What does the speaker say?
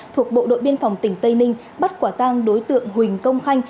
thuộc bộ đội biên phòng tỉnh tây ninh bắt quả tang đối tượng huỳnh công khanh